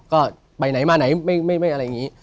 ก็ไปไหนมาไหนไม่อะไรอย่างนี้